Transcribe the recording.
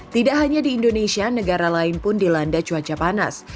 tidak hanya di indonesia negara lain pun dilanda cuaca panas